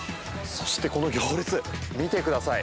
そしてこの行列見てください！